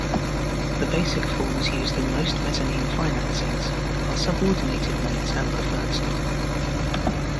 The basic forms used in most mezzanine financings are subordinated notes and preferred stock.